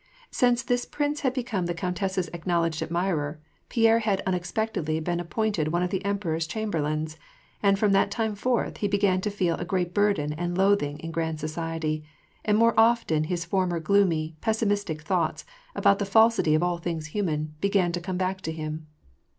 Since this prince had become the countess's acknowledged admirer, Pierre had unexpectedly been appointed one of the emperor's chamberlains ; and from that time forth, he began to feel a great burden and loathing in grand society, and more often his former gloomy, pessimistic thoughts, about the falsity of all things human, began to come back to him.